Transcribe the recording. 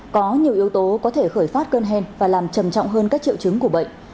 có nhiều yếu tố có thể khởi phát cơn hen và làm trầm trọng hơn các triệu chứng của bệnh